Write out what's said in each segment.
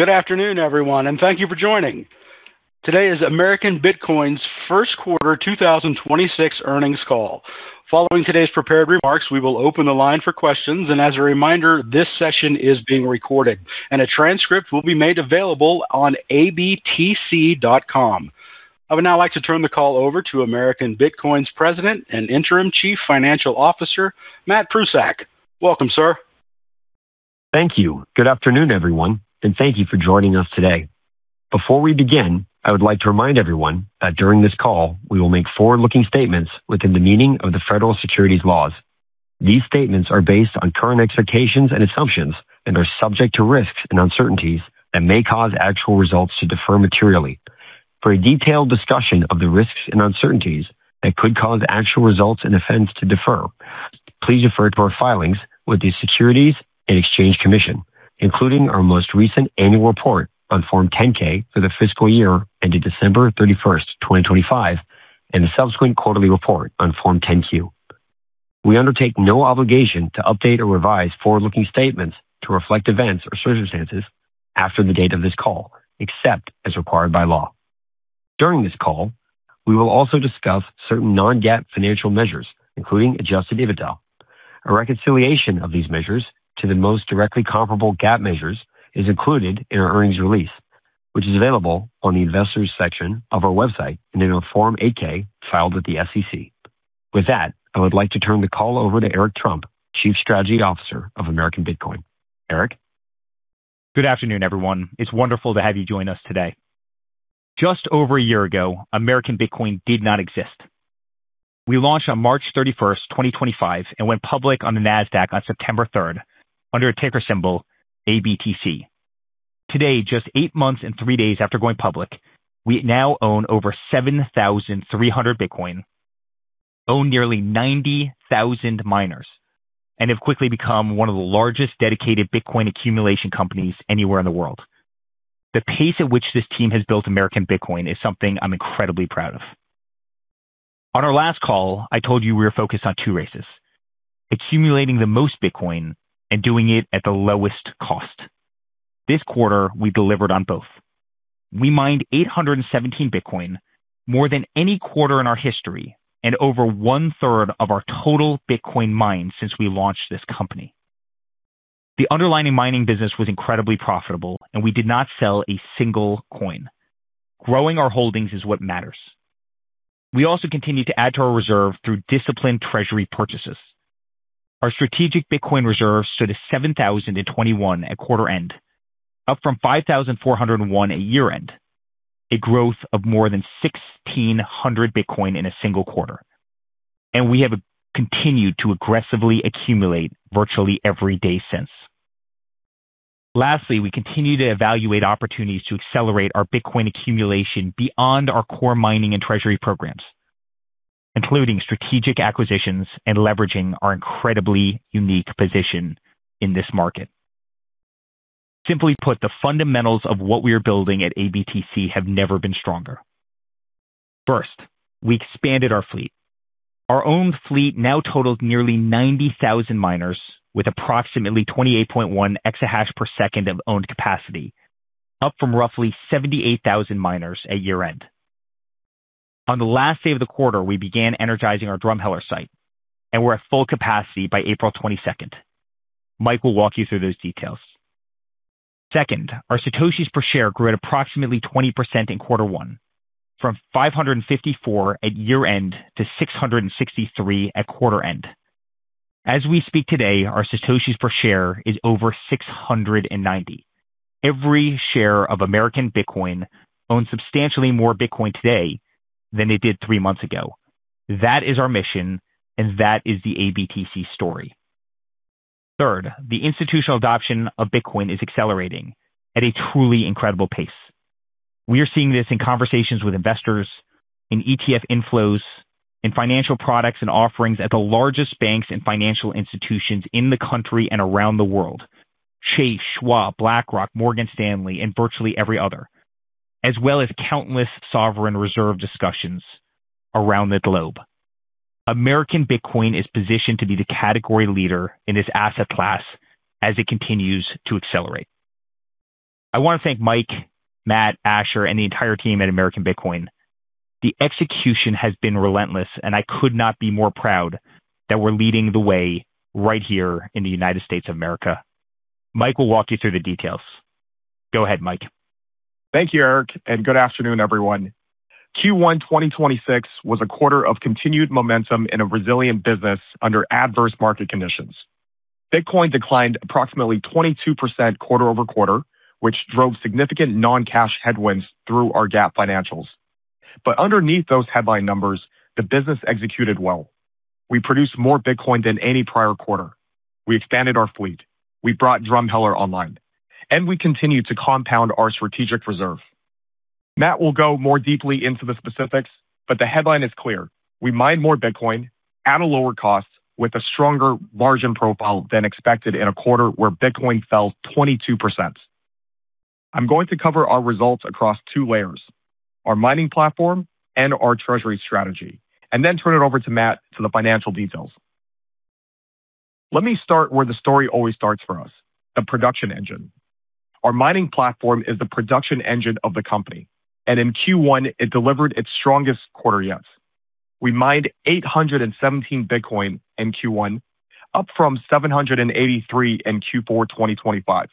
Good afternoon, everyone, and thank you for joining. Today is American Bitcoin's first quarter 2026 earnings call. Following today's prepared remarks, we will open the line for questions. As a reminder, this session is being recorded, and a transcript will be made available on abtc.com. I would now like to turn the call over to American Bitcoin's President and Interim Chief Financial Officer, Matt Prusak. Welcome, sir. Thank you. Good afternoon, everyone. Thank you for joining us today. Before we begin, I would like to remind everyone that during this call we will make forward-looking statements within the meaning of the federal securities laws. These statements are based on current expectations and assumptions and are subject to risks and uncertainties that may cause actual results to differ materially. For a detailed discussion of the risks and uncertainties that could cause actual results and offense to differ, please refer to our filings with the Securities and Exchange Commission, including our most recent annual report on Form 10-K for the fiscal year ended 31st December 2025, and the subsequent quarterly report on Form 10-Q. We undertake no obligation to update or revise forward-looking statements to reflect events or circumstances after the date of this call, except as required by law. During this call, we will also discuss certain non-GAAP financial measures, including adjusted EBITDA. A reconciliation of these measures to the most directly comparable GAAP measures is included in our earnings release, which is available on the investors section of our website and in our Form 8-K filed with the SEC. With that, I would like to turn the call over to Eric Trump, Chief Strategy Officer of American Bitcoin. Eric. Good afternoon, everyone. It's wonderful to have you join us today. Just over a year ago, American Bitcoin did not exist. We launched on 31st March 2025, and went public on the Nasdaq on September 3rd under a ticker symbol ABTC. Today, just eight months and three days after going public, we now own over 7,300 Bitcoin, own nearly 90,000 miners, and have quickly become one of the largest dedicated Bitcoin accumulation companies anywhere in the world. The pace at which this team has built American Bitcoin is something I'm incredibly proud of. On our last call, I told you we were focused on two races, accumulating the most Bitcoin and doing it at the lowest cost. This quarter, we delivered on both. We mined 817 Bitcoin, more than any quarter in our history and over one-third of our total Bitcoin mined since we launched this company. The underlying mining business was incredibly profitable, and we did not sell a single coin. Growing our holdings is what matters. We also continue to add to our reserve through disciplined treasury purchases. Our strategic Bitcoin reserve stood at 7,021 at quarter end, up from 5,401 at year-end, a growth of more than 1,600 Bitcoin in a single quarter. We have continued to aggressively accumulate virtually every day since. Lastly, we continue to evaluate opportunities to accelerate our Bitcoin accumulation beyond our core mining and treasury programs, including strategic acquisitions and leveraging our incredibly unique position in this market. Simply put, the fundamentals of what we are building at ABTC have never been stronger. First, we expanded our fleet. Our own fleet now totals nearly 90,000 miners with approximately 28.1 exahash per second of owned capacity, up from roughly 78,000 miners at year-end. On the last day of the quarter, we began energizing our Drumheller site, and we're at full capacity by April 22nd. Mike will walk you through those details. Second, our satoshis per share grew at approximately 20% in quarter one, from 554 at year-end to 663 at quarter end. As we speak today, our satoshis per share is over 690. Every share of American Bitcoin owns substantially more Bitcoin today than it did three months ago. That is our mission, and that is the ABTC story. Third, the institutional adoption of Bitcoin is accelerating at a truly incredible pace. We are seeing this in conversations with investors, in ETF inflows, in financial products and offerings at the largest banks and financial institutions in the country and around the world. Chase, Schwab, BlackRock, Morgan Stanley, and virtually every other, as well as countless sovereign reserve discussions around the globe. American Bitcoin is positioned to be the category leader in this asset class as it continues to accelerate. I wanna thank Mike, Matt, Asher, and the entire team at American Bitcoin. The execution has been relentless, and I could not be more proud that we're leading the way right here in the United States of America. Mike will walk you through the details. Go ahead, Mike. Thank you, Eric Trump, good afternoon, everyone. Q1 2026 was a quarter of continued momentum in a resilient business under adverse market conditions. Bitcoin declined approximately 22% quarter-over-quarter, which drove significant non-cash headwinds through our GAAP financials. Underneath those headline numbers, the business executed well. We produced more Bitcoin than any prior quarter. We expanded our fleet. We brought Drumheller online. We continued to compound our strategic reserve. Matt Prusak will go more deeply into the specifics, but the headline is clear. We mined more Bitcoin at a lower cost with a stronger margin profile than expected in a quarter where Bitcoin fell 22%. I'm going to cover our results across two layers, our mining platform and our treasury strategy, and then turn it over to Matt Prusak for the financial details. Let me start where the story always starts for us, the production engine. Our mining platform is the production engine of the company, and in Q1 it delivered its strongest quarter yet. We mined 817 Bitcoin in Q1, up from 783 in Q4 2025.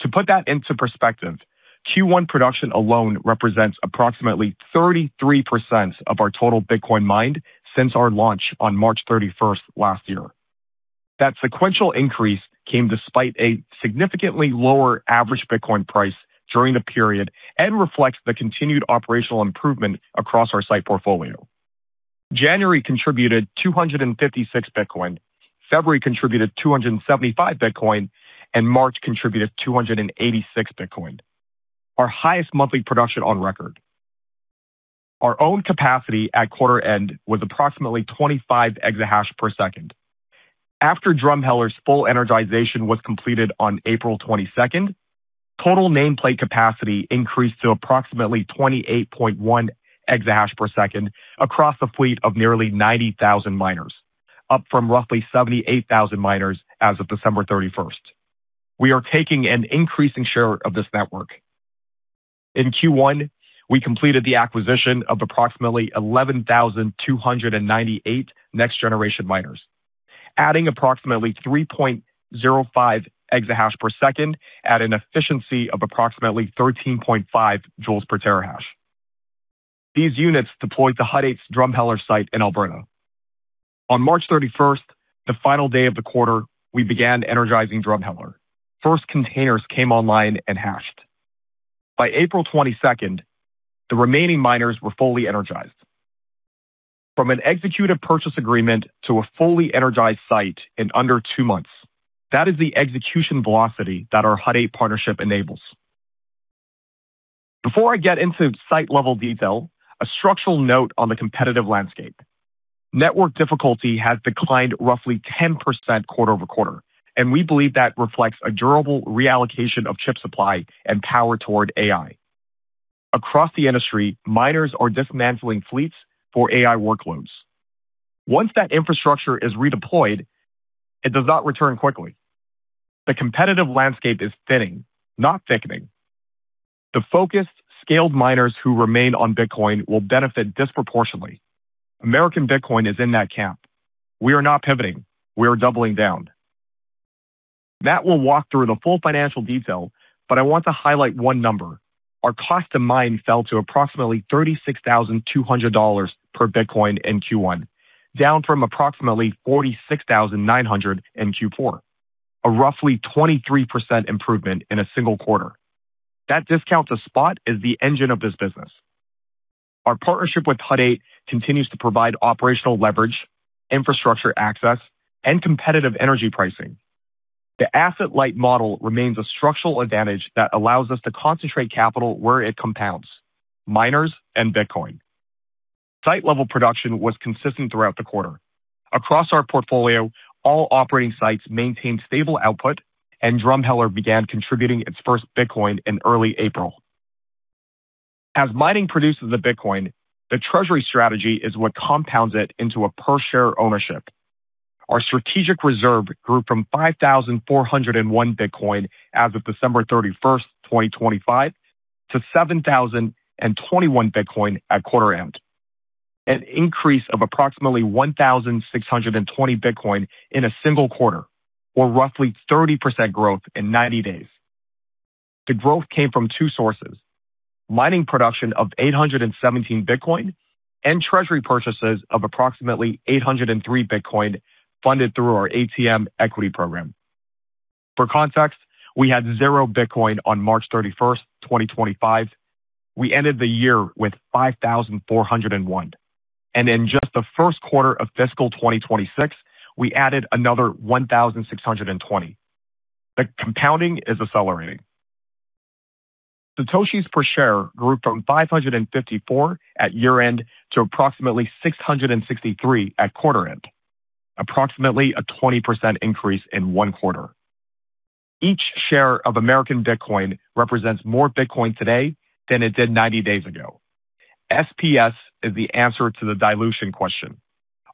To put that into perspective, Q1 production alone represents approximately 33% of our total Bitcoin mined since our launch on March 31st last year. That sequential increase came despite a significantly lower average Bitcoin price during the period and reflects the continued operational improvement across our site portfolio. January contributed 256 Bitcoin, February contributed 275 Bitcoin, and March contributed 286 Bitcoin, our highest monthly production on record. Our own capacity at quarter end was approximately 25 exahash per second. After Drumheller's full energization was completed on April 22nd, total nameplate capacity increased to approximately 28.1 exahash per second across a fleet of nearly 90,000 miners, up from roughly 78,000 miners as of December 31st. We are taking an increasing share of this network. In Q1, we completed the acquisition of approximately 11,298 next-generation miners, adding approximately 3.05 exahash per second at an efficiency of approximately 13.5 joules per terahash. These units deployed to Hut 8's Drumheller site in Alberta. On March 31st, the final day of the quarter, we began energizing Drumheller. First containers came online and hashed. By April 22nd, the remaining miners were fully energized. From an executed purchase agreement to a fully energized site in under two months, that is the execution velocity that our Hut 8 partnership enables. Before I get into site-level detail, a structural note on the competitive landscape. Network difficulty has declined roughly 10% quarter-over-quarter, and we believe that reflects a durable reallocation of chip supply and power toward AI. Across the industry, miners are dismantling fleets for AI workloads. Once that infrastructure is redeployed, it does not return quickly. The competitive landscape is thinning, not thickening. The focused, scaled miners who remain on Bitcoin will benefit disproportionately. American Bitcoin is in that camp. We are not pivoting. We are doubling down. Matt will walk through the full financial detail, but I want to highlight one number. Our cost to mine fell to approximately $36,200 per Bitcoin in Q1, down from approximately $46,900 in Q4, a roughly 23% improvement in a single quarter. That discount to spot is the engine of this business. Our partnership with Hut 8 continues to provide operational leverage, infrastructure access, and competitive energy pricing. The asset-light model remains a structural advantage that allows us to concentrate capital where it compounds, miners and Bitcoin. Site-level production was consistent throughout the quarter. Across our portfolio, all operating sites maintained stable output, and Drumheller began contributing its first Bitcoin in early April. As mining produces the Bitcoin, the treasury strategy is what compounds it into a per-share ownership. Our strategic reserve grew from 5,401 Bitcoin as of December 31st, 2025, to 7,021 Bitcoin at quarter end, an increase of approximately 1,620 Bitcoin in a single quarter, or roughly 30% growth in 90 days. The growth came from two sources, mining production of 817 Bitcoin and treasury purchases of approximately 803 Bitcoin funded through our ATM equity program. For context, we had 0 Bitcoin on 31st March 2025. We ended the year with 5,401, and in just the first quarter of fiscal 2026, we added another 1,620. The compounding is accelerating. satoshis per share grew from 554 at year-end to approximately 663 at quarter-end, approximately a 20% increase in one quarter. Each share of American Bitcoin represents more Bitcoin today than it did 90 days ago. SPS is the answer to the dilution question.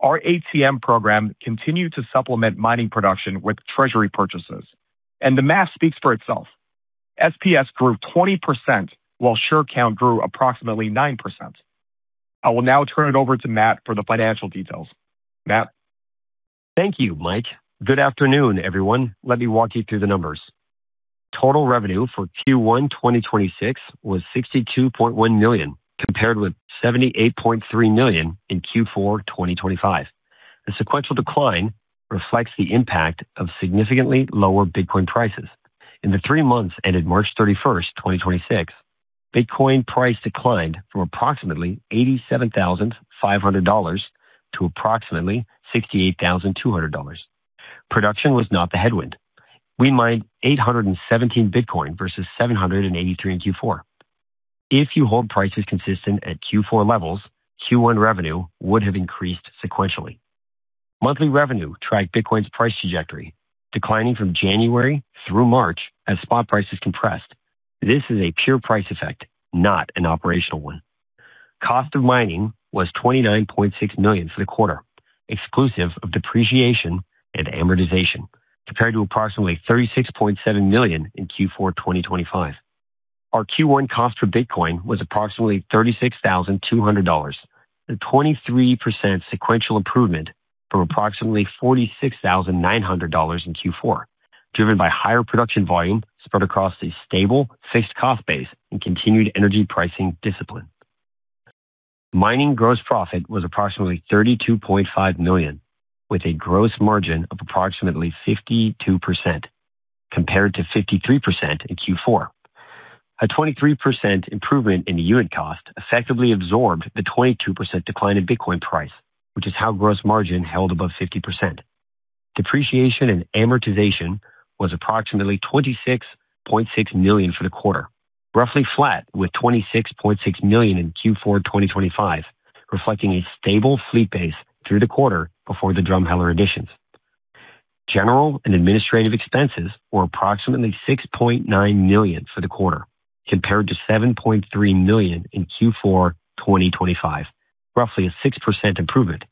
Our ATM program continued to supplement mining production with treasury purchases. The math speaks for itself. SPS grew 20% while share count grew approximately 9%. I will now turn it over to Matt for the financial details. Matt? Thank you, Mike. Good afternoon, everyone. Let me walk you through the numbers. Total revenue for Q1 2026 was $62.1 million, compared with $78.3 million in Q4 2025. The sequential decline reflects the impact of significantly lower Bitcoin prices. In the three months ended March 31st, 2026, Bitcoin price declined from approximately $87,500 to approximately $68,200. Production was not the headwind. We mined 817 Bitcoin versus 783 in Q4. If you hold prices consistent at Q4 levels, Q1 revenue would have increased sequentially. Monthly revenue tracked Bitcoin's price trajectory, declining from January through March as spot prices compressed. This is a pure price effect, not an operational one. Cost of mining was $29.6 million for the quarter, exclusive of depreciation and amortization, compared to approximately $36.7 million in Q4 2025. Our Q1 cost for Bitcoin was approximately $36,200, a 23% sequential improvement from approximately $46,900 in Q4, driven by higher production volume spread across a stable fixed cost base and continued energy pricing discipline. Mining gross profit was approximately $32.5 million, with a gross margin of approximately 52% compared to 53% in Q4. A 23% improvement in the unit cost effectively absorbed the 22% decline in Bitcoin price, which is how gross margin held above 50%. Depreciation and amortization was approximately $26.6 million for the quarter, roughly flat with $26.6 million in Q4 2025, reflecting a stable fleet base through the quarter before the Drumheller additions. General and administrative expenses were approximately $6.9 million for the quarter compared to $7.3 million in Q4 2025, roughly a 6% improvement.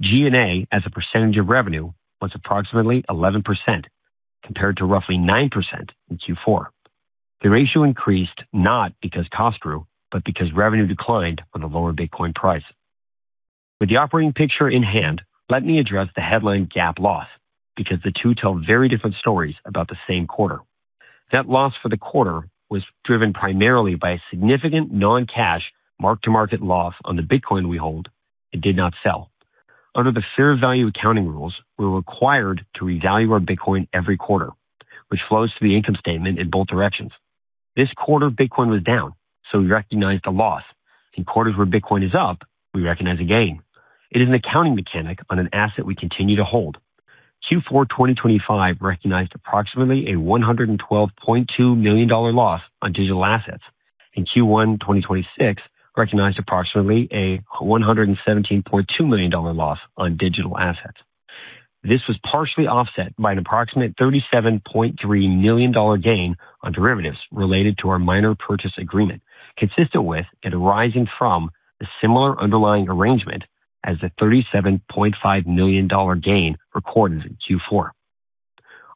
G&A as a percentage of revenue was approximately 11% compared to roughly 9% in Q4. The ratio increased not because costs grew, but because revenue declined on a lower Bitcoin price. With the operating picture in hand, let me address the headline GAAP loss because the two tell very different stories about the same quarter. That loss for the quarter was driven primarily by a significant non-cash mark-to-market loss on the Bitcoin we hold and did not sell. Under the fair value accounting rules, we're required to revalue our Bitcoin every quarter, which flows to the income statement in both directions. This quarter, Bitcoin was down, we recognized a loss. In quarters where Bitcoin is up, we recognize a gain. It is an accounting mechanic on an asset we continue to hold. Q4 2025 recognized approximately a $112.2 million loss on digital assets, and Q1 2026 recognized approximately a $117.2 million loss on digital assets. This was partially offset by an approximate $37.3 million gain on derivatives related to our miner purchase agreement, consistent with and arising from the similar underlying arrangement as the $37.5 million gain recorded in Q4.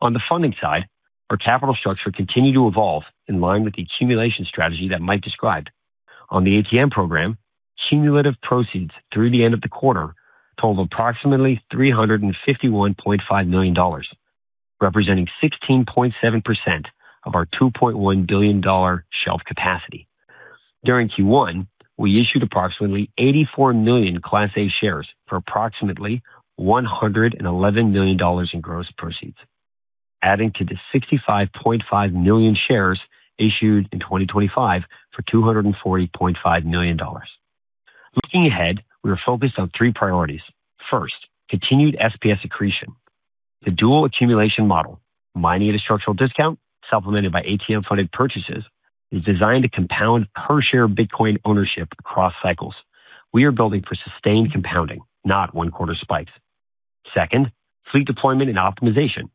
On the funding side, our capital structure continued to evolve in line with the accumulation strategy that Mike described. On the ATM program, cumulative proceeds through the end of the quarter totaled approximately $351.5 million, representing 16.7% of our $2.1 billion shelf capacity. During Q1, we issued approximately 84 million Class A shares for approximately $111 million in gross proceeds, adding to the 65.5 million shares issued in 2025 for $240.5 million. Looking ahead, we are focused on three priorities. First, continued SPS accretion. The dual accumulation model, mining at a structural discount supplemented by ATM-funded purchases, is designed to compound per share Bitcoin ownership across cycles. We are building for sustained compounding, not one quarter spikes. Second, fleet deployment and optimization.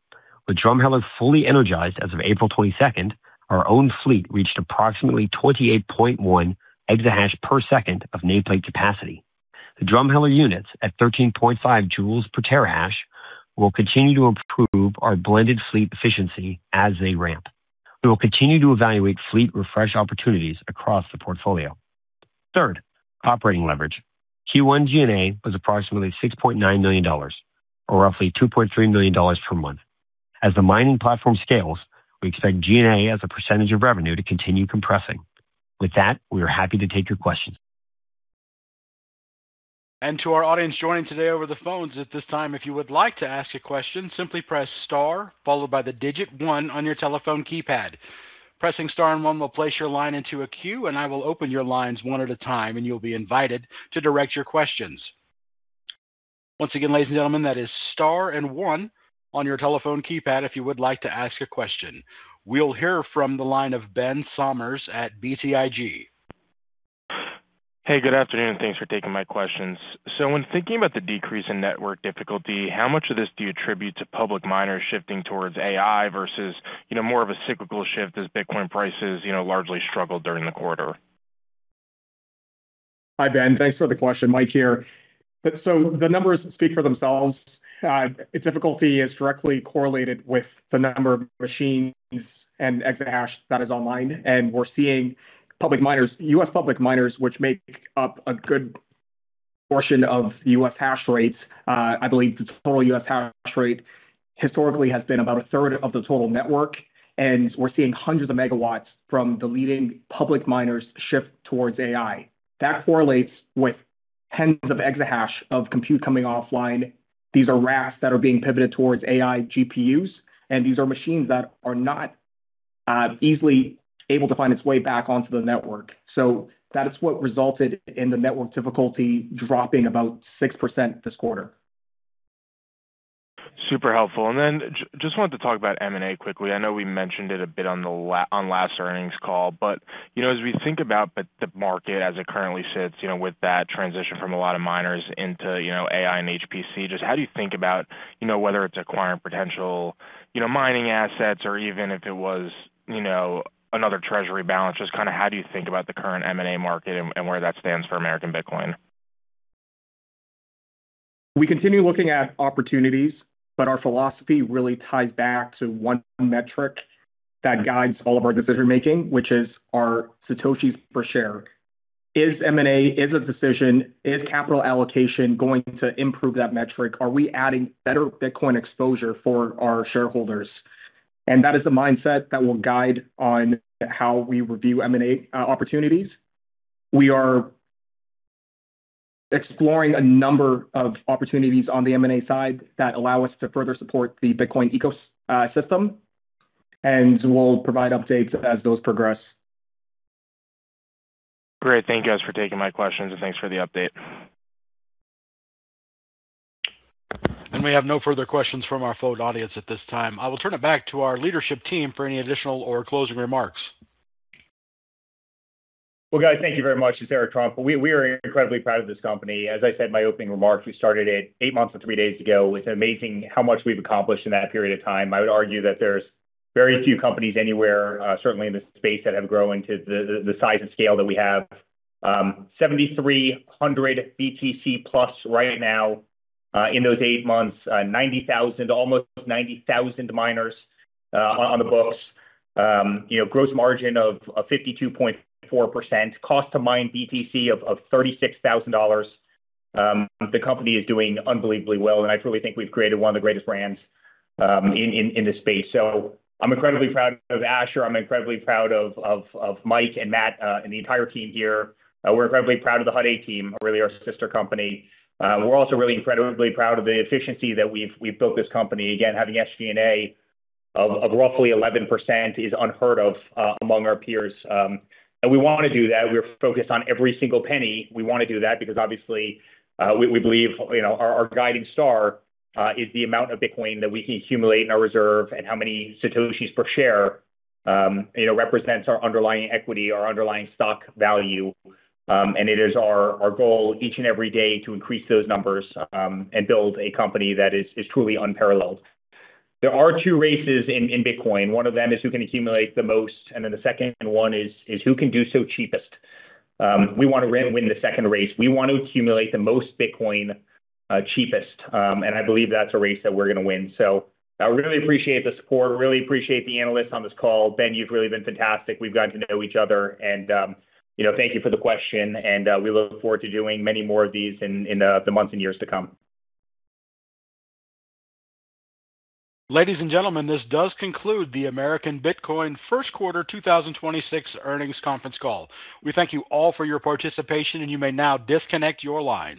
With Drumheller fully energized as of April 22nd, our own fleet reached approximately 28.1 exahash per second of nameplate capacity. The Drumheller units at 13.5 joules per terahash will continue to improve our blended fleet efficiency as they ramp. We will continue to evaluate fleet refresh opportunities across the portfolio. Third, operating leverage. Q1 G&A was approximately $6.9 million, or roughly $2.3 million per month. As the mining platform scales, we expect G&A as a percentage of revenue to continue compressing. With that, we are happy to take your questions. To our audience joining today over the phones, at this time, if you would like to ask a question, simply press star followed by the digit one on your telephone keypad. Pressing star and one will place your line into a queue, and I will open your lines one at a time, and you'll be invited to direct your questions. Once again, ladies and gentlemen, that is star and one on your telephone keypad if you would like to ask a question. We'll hear from the line of Benjamin Sommers at BTIG. Hey, good afternoon. Thanks for taking my questions. When thinking about the decrease in network difficulty, how much of this do you attribute to public miners shifting towards AI versus, you know, more of a cyclical shift as Bitcoin prices, you know, largely struggled during the quarter? Hi, Ben. Thanks for the question. Mike here. The numbers speak for themselves. Difficulty is directly correlated with the number of machines and exahash that is online, and we're seeing public miners, U.S. public miners, which make up a good portion of U.S. hash rates. I believe the total U.S. hash rate historically has been about 1/3 of the total network, and we're seeing hundreds of megawatts from the leading public miners shift towards AI. That correlates with tens of exahash of compute coming offline. These are rafts that are being pivoted towards AI GPUs, and these are machines that are not easily able to find its way back onto the network. That is what resulted in the network difficulty dropping about 6% this quarter. Super helpful. Just wanted to talk about M&A quickly. I know we mentioned it a bit on last earnings call, but you know, as we think about the market as it currently sits, you know, with that transition from a lot of miners into, you know, AI and HPC, just how do you think about, you know, whether it's acquiring potential, you know, mining assets or even if it was, you know, another treasury balance? Just kind of how do you think about the current M&A market and where that stands for American Bitcoin? We continue looking at opportunities, but our philosophy really ties back to one metric that guides all of our decision-making, which is our satoshis per share. Is M&A, is a decision, is capital allocation going to improve that metric? Are we adding better Bitcoin exposure for our shareholders? That is the mindset that will guide on how we review M&A opportunities. We are exploring a number of opportunities on the M&A side that allow us to further support the Bitcoin ecosystem, and we'll provide updates as those progress. Great. Thank you guys for taking my questions, and thanks for the update. We have no further questions from our phone audience at this time. I will turn it back to our leadership team for any additional or closing remarks. Well, guys, thank you very much. This is Eric Trump. We are incredibly proud of this company. As I said in my opening remarks, we started it eight months and three days ago. It's amazing how much we've accomplished in that period of time. I would argue that there's very few companies anywhere, certainly in this space, that have grown to the size and scale that we have. 7,300 BTC plus right now in those eight months. 90,000, almost 90,000 miners on the books. you know, gross margin of 52.4%. Cost to mine BTC of $36,000. The company is doing unbelievably well, and I truly think we've created one of the greatest brands in this space. I'm incredibly proud of Asher. I'm incredibly proud of Mike and Matt, and the entire team here. We're incredibly proud of the Hut 8 team, really our sister company. We're also really incredibly proud of the efficiency that we've built this company. Again, having SG&A of roughly 11% is unheard of among our peers. We wanna do that. We're focused on every single penny. We wanna do that because obviously, we believe, you know, our guiding star is the amount of Bitcoin that we can accumulate in our reserve and how many Satoshis per share, you know, represents our underlying equity, our underlying stock value. It is our goal each and every day to increase those numbers and build a company that is truly unparalleled. There are two races in Bitcoin. One of them is who can accumulate the most, and then the second one is who can do so cheapest. We wanna win the second race. We want to accumulate the most Bitcoin cheapest. I believe that's a race that we're gonna win. So I really appreciate the support. Really appreciate the analysts on this call. Ben, you've really been fantastic. We've gotten to know each other and, you know, thank you for the question and we look forward to doing many more of these in the months and years to come. Ladies and gentlemen, this does conclude the American Bitcoin first quarter 2026 earnings conference call. We thank you all for your participation, and you may now disconnect your line